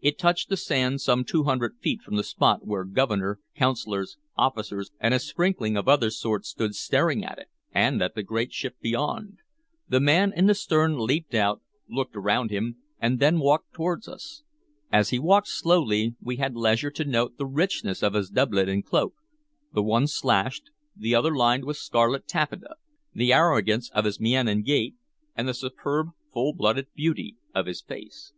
It touched the sand some two hundred feet from the spot where Governor, Councilors, officers, and a sprinkling of other sorts stood staring at it, and at the great ship beyond. The man in the stern leaped out, looked around him, and then walked toward us. As he walked slowly, we had leisure to note the richness of his doublet and cloak, the one slashed, the other lined with scarlet taffeta, the arrogance of his mien and gait, and the superb full blooded beauty of his face.